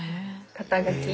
肩書。